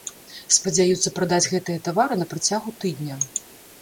Спадзяюцца прадаць гэтыя тавары на працягу тыдня.